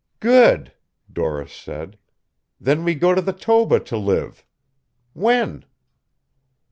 "Good!" Doris said. "Then we go to the Toba to live. When?"